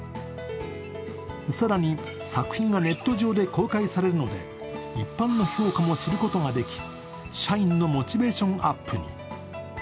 更に、作品がネット上で公開されるので一般の評価も知ることができ、社員のモチベーションアップに。